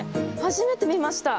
初めて見ました。